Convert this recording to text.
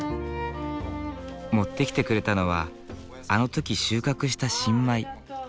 持ってきてくれたのはあの時収穫した新米。